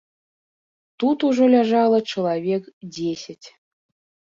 Тут ужо ляжала чалавек дзесяць.